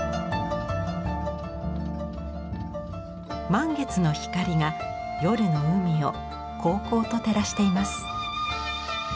満月の光が夜の海をこうこうと照らしています。